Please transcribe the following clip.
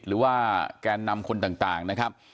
หรือว่าแกนนำคนต่างนะครับ